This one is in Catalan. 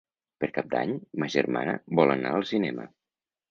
Per Cap d'Any ma germana vol anar al cinema.